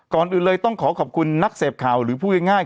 ก่อนอื่นเลยต้องขอขอบคุณนักเสพข่าวหรือพูดง่าย